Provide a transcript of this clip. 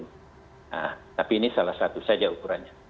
nah tapi ini salah satu saja ukurannya